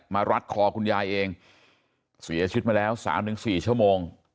รัดคอคุณยายเองเสียชีวิตมาแล้ว๓๔ชั่วโมง